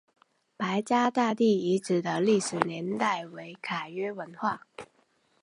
白家大地遗址的历史年代为卡约文化。